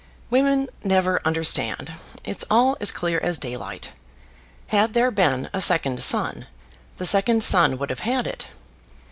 Women never understand. It's all as clear as daylight. Had there been a second son, the second son would have had it.